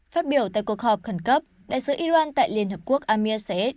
phát biểu tại cuộc họp khẩn cấp đại sứ iran tại liên hợp quốc amir saeed